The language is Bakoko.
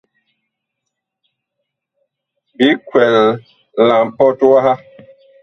Biig kwɛl la mpɔt waha.